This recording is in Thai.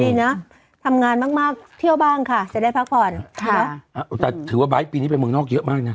ดีนะทำงานมากมากเที่ยวบ้างค่ะจะได้พักผ่อนค่ะแต่ถือว่าไบท์ปีนี้ไปเมืองนอกเยอะมากนะ